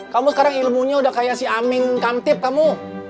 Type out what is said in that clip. kamu sekarang ilmunya udah kayak si amin kamtip kamu